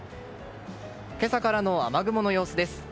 今朝からの雨雲の様子です。